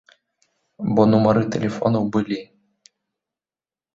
Бо нумары тэлефонаў былі.